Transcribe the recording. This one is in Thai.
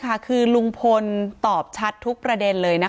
การแก้เคล็ดบางอย่างแค่นั้นเอง